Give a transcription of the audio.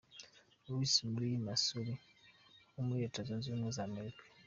Louis muri Missouri ho muri Leta zunze ubumwe za Amerika.